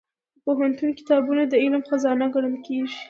د پوهنتون کتابتون د علم خزانه ګڼل کېږي.